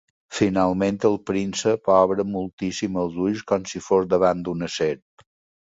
Finalment, el príncep obre moltíssim els ulls, com si fos davant d'una serp.